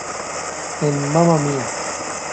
En "Mamma Mia!